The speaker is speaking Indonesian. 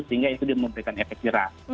sehingga itu memberikan efek jelas